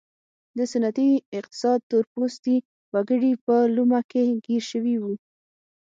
د سنتي اقتصاد تور پوستي وګړي په لومه کې ګیر شوي وو.